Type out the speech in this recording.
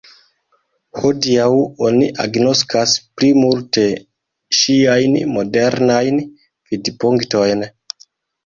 Hodiaŭ oni agnoskas pli multe ŝiajn modernajn vidpunktojn.